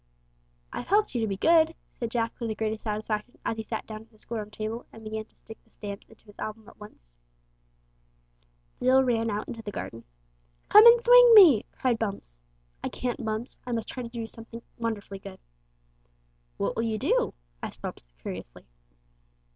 "I've helped you to be good," said Jack with the greatest satisfaction as he sat down at the school room table and began to stick the stamps into his album at once. Jill ran out into the garden. "Come and thwing me!" cried Bumps. "I can't, Bumps, I must try to do something wonderfully good." "What will you do?" asked Bumps curiously.